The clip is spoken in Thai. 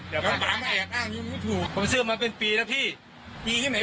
เดี๋ยวป่ามาแอบอ้างนี้ไม่ถูกผมซื้อมาเป็นปีแล้วพี่ปีที่ไหน